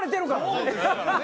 そうですからね